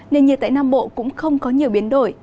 nền nhiệt tại nam bộ cũng không có nhiều biến đổi